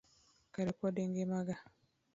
Kare pod ingima gaa?